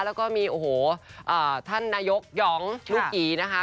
แล้วก็มีโอ้โหท่านนายกหยองลูกอีนะคะ